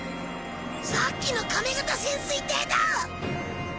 さっきの亀型潜水艇だ！